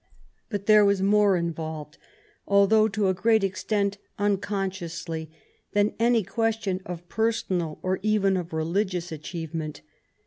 But there was more involved, al though to a great extent unconsciously, than any ques tion of personal or even of religious achievement.